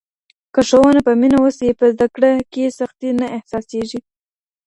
که ښوونه په مینه وسي، په زده کړه کي سختي نه احساسېږي.